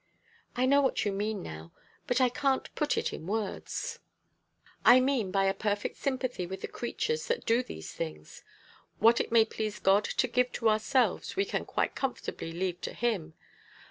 "I know what you mean now, but I can't put it in words." "I mean by a perfect sympathy with the creatures that do these things: what it may please God to give to ourselves, we can quite comfortably leave to him.